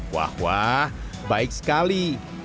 wah wah baik sekali